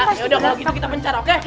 yaudah kalau gitu kita pencar oke